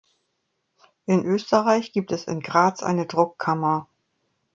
In Österreich gibt es in Graz eine Druckkammer.